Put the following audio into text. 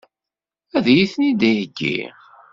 Ad iyi-ten-id-iheggi?